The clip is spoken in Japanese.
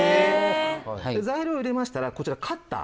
材料入れましたらこちらカッター。